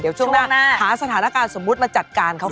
เดี๋ยวช่วงหน้าหาสถานการณ์สมมุติมาจัดการเขาก่อน